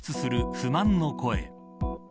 不満の声。